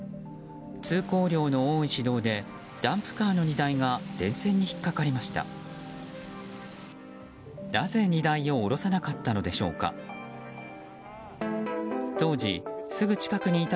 通行量の多い市道でダンプカーの荷台が電線に引っかかりました。